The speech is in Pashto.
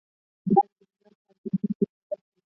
د لاندې جملو خالي ځایونه په پنسل ډک کړئ.